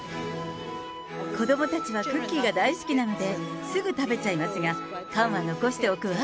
子どもたちはクッキーが大好きなのですぐ食べちゃいますが、缶は残しておくわ。